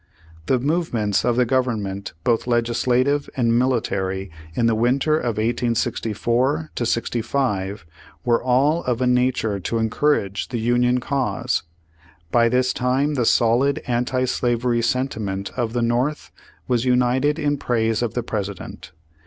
The movements of the Government both legis lative and military, in the winter of 1864 65, were all of a nature to encourage the Union cause. By this time the solid anti slavery sentiment of the North was united in praise of the President.